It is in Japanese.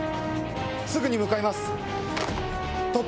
すぐに向かいます。